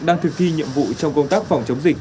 đang thực thi nhiệm vụ trong công tác phòng chống dịch